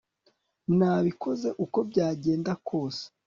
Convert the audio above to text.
nabikoze uko byagenda kose